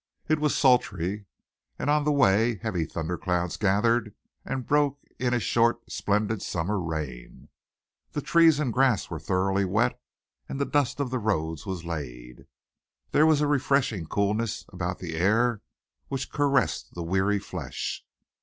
It was sultry, and on the way heavy thunder clouds gathered and broke in a short, splendid summer rain. The trees and grass were thoroughly wet and the dust of the roads was laid. There was a refreshing coolness about the air which caressed the weary flesh.